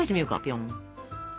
ぴょん。